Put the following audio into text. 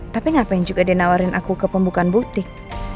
tapi ngapain juga dia nawarin aku ke pembukaan butik